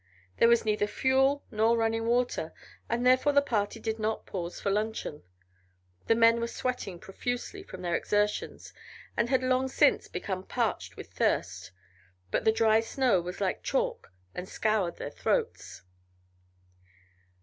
There was neither fuel nor running water, and therefore the party did not pause for luncheon. The men were sweating profusely from their exertions and had long since become parched with thirst, but the dry snow was like chalk and scoured their throats.